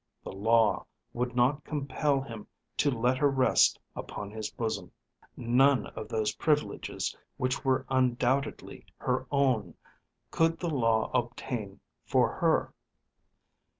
The law would not compel him to let her rest upon his bosom. None of those privileges which were undoubtedly her own could the law obtain for her.